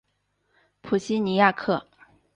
普西尼亚克。